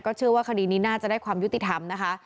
เชื่อว่าคดีนี้น่าจะได้ความยุติธรรมนะคะ